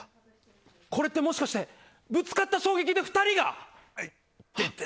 これってもしかしてぶつかった衝撃で２人が。